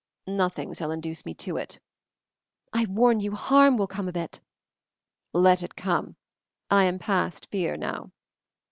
"Nothing shall induce me to." "I warn you harm will come of it." "Let it come; I am past fear now."